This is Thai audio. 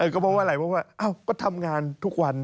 ก็ทำงานทุกวัน